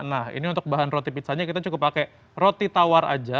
nah ini untuk bahan roti pizzanya kita cukup pakai roti tawar aja